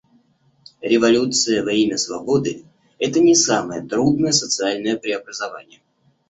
Революция во имя свободы — это не самое трудное социальное преобразование.